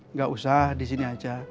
nggak usah di sini aja